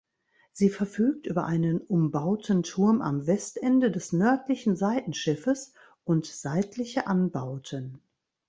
Sie verfügt über einen umbauten Turm am Westende des nördlichen Seitenschiffes und seitliche Anbauten.